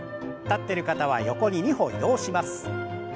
立ってる方は横に２歩移動します。